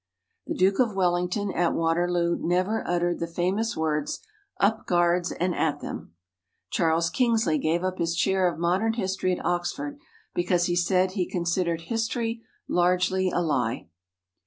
The Duke of Wellington, at Waterloo, never uttered the famous words, "Up, Guards, and at them!" Charles Kingsley gave up his chair of modern history at Oxford because he said he considered history "largely a lie."